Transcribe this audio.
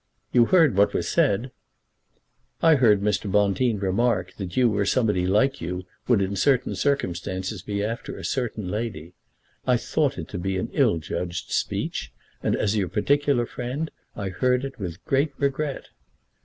"You heard what was said?" "I heard Mr. Bonteen remark that you or somebody like you would in certain circumstances be after a certain lady. I thought it to be an ill judged speech, and as your particular friend I heard it with great regret."